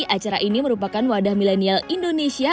acara ini merupakan wadah milenial indonesia